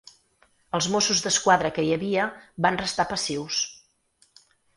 Els mossos d’esquadra que hi havia van restar passius.